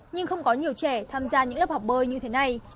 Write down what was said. nhưng không có nhiều trẻ tham gia những lớp học bơi như thế này